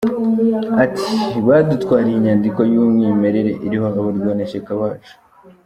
Ati “Badutwariye inyandiko y’umwimerere iriho abarwanashyaka bacu.